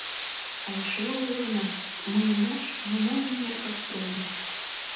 — А эше ойлена: «Мы наш, мы новый мир построим!»